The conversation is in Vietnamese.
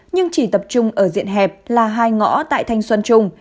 nhưng chỉ tập trung ở diện hẹp là hai ngõ tại thanh xuân trung